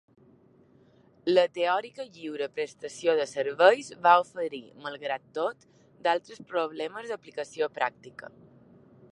La teòrica lliure prestació de serveis va oferir, malgrat tot, d'altres problemes d'aplicació pràctica.